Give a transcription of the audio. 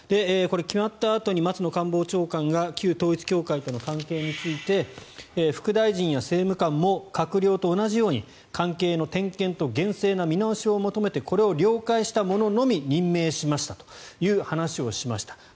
決まったあとに松野官房長官が旧統一教会との関係について副大臣や政務官も閣僚と同じように関係の点検と厳正な見直しを求めてこれを了解した者のみ任命しましたという話をしました。